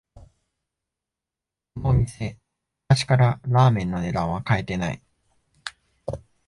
このお店、昔からラーメンの値段は変えてない